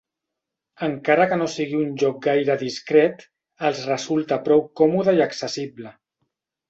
Encara que no sigui un lloc gaire discret, els resulta prou còmode i accessible.